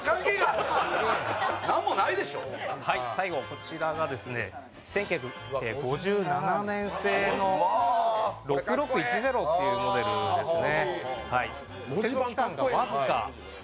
こちらが１９５７年製の６６１０というモデルですね。